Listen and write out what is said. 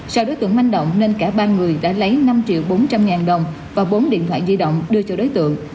sau đối tượng manh động nên cả ba người đã lấy năm triệu bốn trăm linh ngàn đồng và bốn điện thoại di động đưa cho đối tượng